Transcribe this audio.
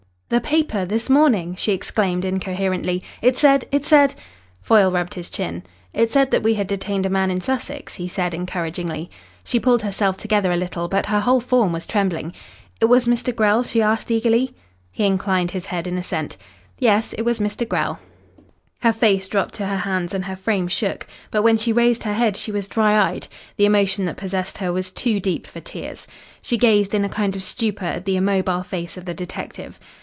"The paper this morning!" she exclaimed incoherently. "It said it said " Foyle rubbed his chin. "It said that we had detained a man in Sussex," he said encouragingly. She pulled herself together a little, but her whole form was trembling. "It was Mr. Grell?" she asked eagerly. He inclined his head in assent. "Yes, it was Mr. Grell." Her face dropped to her hands and her frame shook. But when she raised her head she was dry eyed. The emotion that possessed her was too deep for tears. She gazed in a kind of stupor at the immobile face of the detective.